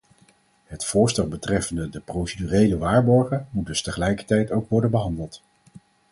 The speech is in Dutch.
Het voorstel betreffende de procedurele waarborgen moet dus tegelijkertijd ook worden behandeld.